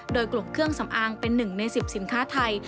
โดยกลุ่มเครื่องสำอางเป็น๑ใน๑๐สินค้าไทย